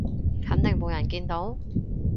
肯定冇人見到？